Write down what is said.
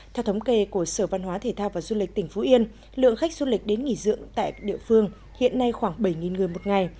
theo thống kê của sở văn hóa thể thao và du lịch tỉnh phú yên lượng khách du lịch đến nghỉ dưỡng tại địa phương hiện nay khoảng bảy người một ngày